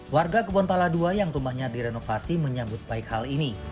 warga kebon pala ii yang rumahnya direnovasi menyambut baik hal ini